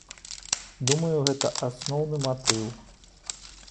Думаю, гэта асноўны матыў.